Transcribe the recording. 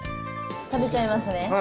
食べちゃいますね。